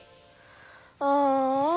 ああ。